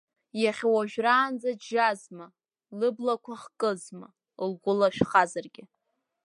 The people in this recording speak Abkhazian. Иахьа уажәраанӡа джьазма, лыблақәа хкызма, лгәы лашәхазаргьы!